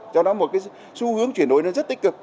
cho nó một cái xu hướng chuyển đổi rất tích cực